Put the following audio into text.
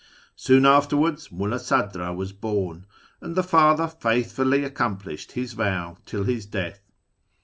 Soon afterwards Mulla Sadra was born, and the father faithfully accomplished his vow till his death.